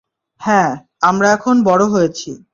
হ্যাঁ, আমরা এখন বড় হয়েছি।